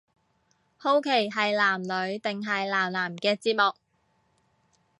好奇係男女定係男男嘅節目